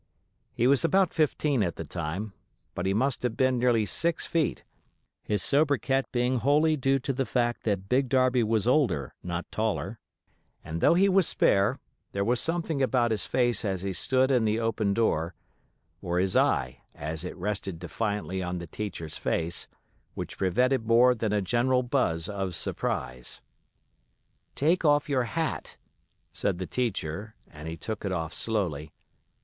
He was about fifteen at the time, but he must have been nearly six feet (his sobriquet being wholly due to the fact that Big Darby was older, not taller), and though he was spare, there was something about his face as he stood in the open door, or his eye as it rested defiantly on the teacher's face, which prevented more than a general buzz of surprise. "Take off your hat," said the teacher, and he took it off slowly.